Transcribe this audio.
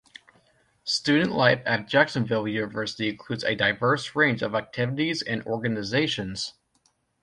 Student life at Jacksonville University includes a diverse range of activities and organizations.